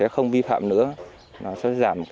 không vi phạm nữa nó sẽ giảm